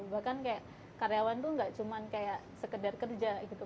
bahkan kayak karyawan tuh nggak cuma kayak sekedar kerja gitu